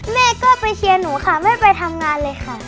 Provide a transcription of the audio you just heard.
แม่ก็ไปเชียร์หนูค่ะไม่ไปทำงานเลยค่ะ